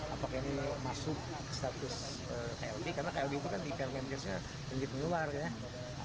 apakah ini masuk status klb karena klb itu kan di permenkesnya tinggi luar ya